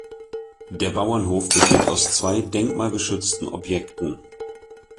Der Bauernhof besteht aus zwei denkmalgeschützten Objekten.